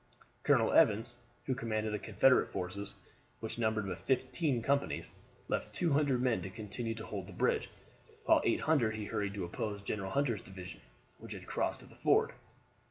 Colonel Evans, who commanded the Confederate forces, which numbered but fifteen companies, left 200 men to continue to hold the bridge, while with 800 he hurried to oppose General Hunter's division, which had crossed at the ford.